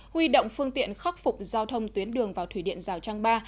huy động phương tiện khắc phục giao thông tuyến đường vào thủy điện giào trăng ba